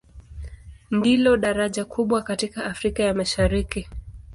Ndilo daraja kubwa katika Afrika ya Mashariki.